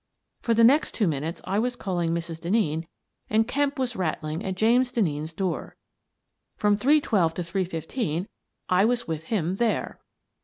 For the next two minutes I was calling Mrs. Denneen and Kemp was rattling at James Denneen's door. From three twelve to three fifteen I was with him there.